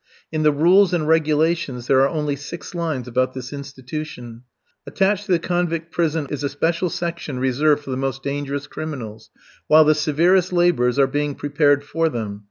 In the rules and regulations there are only six lines about this institution. Attached to the convict prison of is a special section reserved for the most dangerous criminals, while the severest labours are being prepared for them.